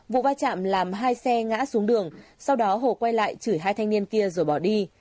vụ va chạm làm hai xe ngã xuống đường sau đó hồ quay lại chửi hai thanh niên kia rồi bỏ đi